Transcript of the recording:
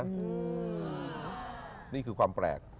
อืมนี่คือความแปลก